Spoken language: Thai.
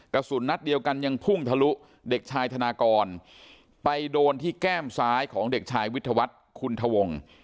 กระสุนนัดเดียวกันยังพุ่งทะลุเด็กชายธนากรไปโดนที่แก้มซ้ายของเด็กชายวิทยาวัฒน์คุณทวงศ์